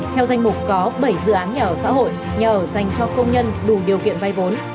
theo danh mục có bảy dự án nhà ở xã hội nhà ở dành cho công nhân đủ điều kiện vay vốn